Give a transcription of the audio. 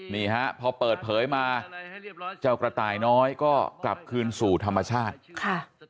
นี่ฮะพอเปิดเผยมาเจ้ากระต่ายน้อยก็กลับคืนสู่ธรรมชาติค่ะ